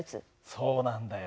そうなんだよ。